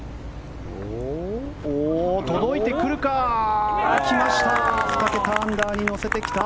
届いてくるか来ました！